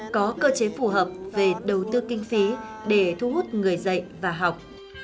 có cơ chế phù hợp về đầu tư kinh phí để thu hút người dạy và học